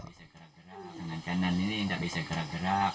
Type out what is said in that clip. tangan kanan ini enggak bisa gerak gerak